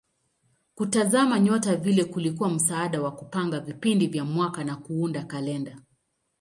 Kutazama nyota vile kulikuwa msaada wa kupanga vipindi vya mwaka na kuunda kalenda.